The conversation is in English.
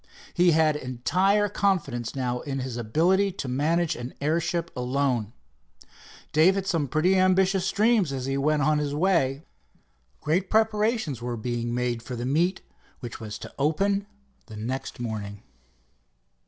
He had entire confidence now in his ability to manage an airship alone. Dave had some pretty ambitious dreams as he went on his way. Great preparations were being made for the meet, which was to open the next morning.